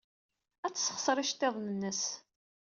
Ad tessexṣer iceḍḍiḍen-nnes.